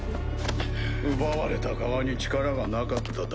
奪われた側に力がなかっただけだ。